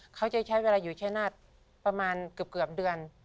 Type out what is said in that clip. เขาจะใช้เวลาอยู่ชายนาฏประมาณเกือบเดือน